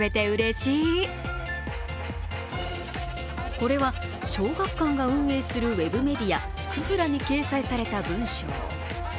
これは小学館が運営するウェブメディアｋｕｆｕｒａに掲載された文章。